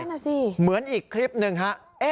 เป็นสิเหมือนอีกคลิปนึงหะ